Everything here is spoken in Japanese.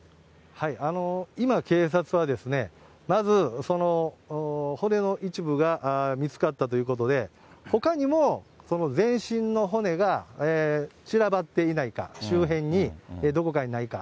今、警察は、まず骨の一部が見つかったということで、ほかにも全身の骨が散らばっていないか、周辺に、どこかにないか。